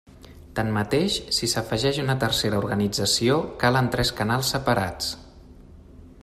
Tanmateix, si s'afegeix una tercera organització, calen tres canals separats.